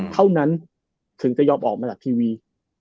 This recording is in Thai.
เท่านั้นถึงจะยอมออกมาจากทีวี